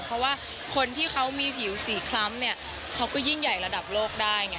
เพราะว่าคนที่เขามีผิวสีคล้ำเนี่ยเขาก็ยิ่งใหญ่ระดับโลกได้ไง